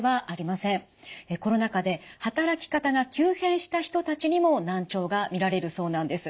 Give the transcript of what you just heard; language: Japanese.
コロナ禍で働き方が急変した人たちにも難聴が見られるそうなんです。